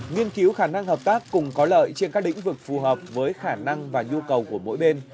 nghiên cứu khả năng hợp tác cùng có lợi trên các lĩnh vực phù hợp với khả năng và nhu cầu của mỗi bên